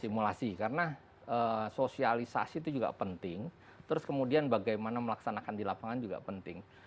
simulasi karena sosialisasi itu juga penting terus kemudian bagaimana melaksanakan di lapangan juga penting